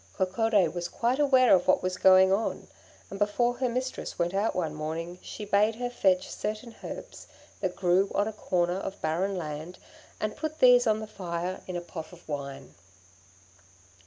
Coccodé was quite aware of what was going on, and before her mistress went out one morning she bade her fetch certain herbs that grew on a corner of barren land, and put these on the fire in a pot of wine.